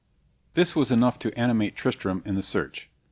This was enough to animate Tristram in the search.